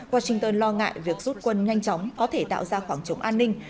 washington lo ngại việc rút quân nhanh chóng có thể tạo ra khoảng trống an ninh